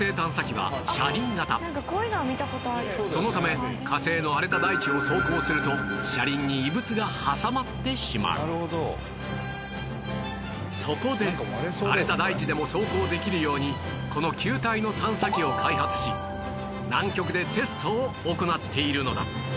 そのため火星の荒れた大地を走行するとそこで荒れた大地でも走行できるようにこの球体の探査機を開発し南極でテストを行っているのだ